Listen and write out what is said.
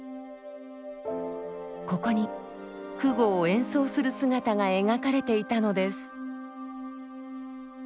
ここに箜篌を演奏する姿が描かれていたのです。